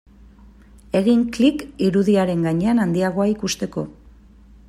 Egin klik irudiaren gainean handiagoa ikusteko.